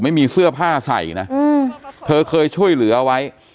ไม่มีเสื้อผ้าใส่นะเธอเคยช่วยเหลือเอาไว้